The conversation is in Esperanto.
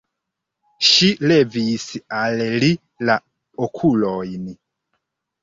Ŝi levis al li la okulojn.